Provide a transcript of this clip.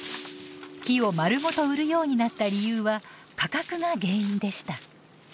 木をまるごと売るようになった理由は価格が原因でした。